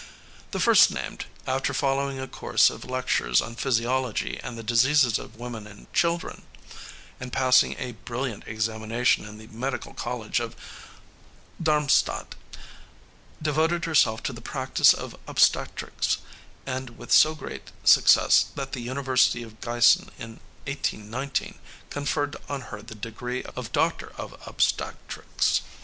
The first named, after following a course of lectures on physiology and the diseases of women and children, and passing a brilliant examination in the medical college of Darmstadt, devoted herself to the practice of obstetrics, and with so great success that the University of Giessen in 1819 conferred on her the degree of doctor of obstetrics.